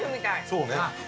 そうね。